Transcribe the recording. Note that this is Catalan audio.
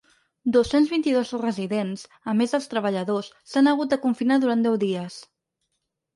Dos-cents vint-i-dos residents, a més dels treballadors, s’han hagut de confinar durant deu dies.